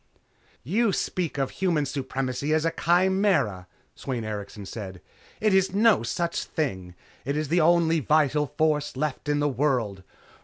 "You speak of Human Supremacy as a chimera," Sweyn Erikson said, "It is no such thing. It is the only vital force left in the world.